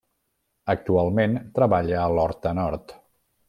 Actualment treballa a l'Horta Nord.